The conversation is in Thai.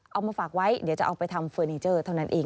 เอามาฝากไว้เดี๋ยวจะเอาไปทำเฟอร์นิเจอร์เท่านั้นเอง